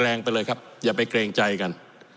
แรงไปเลยครับอย่าไปเกรงใจกัน